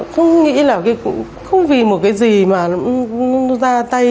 không nghĩ là không vì một cái gì mà ra tay